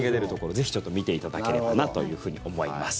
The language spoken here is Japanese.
ぜひちょっと見ていただければなと思います。